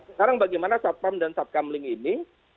sekarang bagaimana satpam dan satkamling ini